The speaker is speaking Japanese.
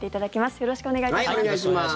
よろしくお願いします。